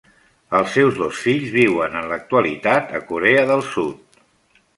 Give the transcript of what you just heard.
Els seus dos fills viuen en l'actualitat a Corea del Sud.